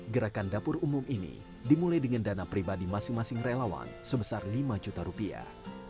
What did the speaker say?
gerakan dapur umum ini dimulai dengan dana pribadi masing masing relawan sebesar lima juta rupiah